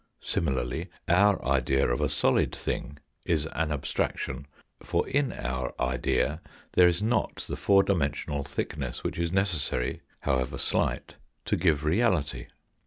Similarly our idea of a solid thing is an abstraction, for in our idea there is not the four dimensional thickness which is necessary, however slight, to give reality.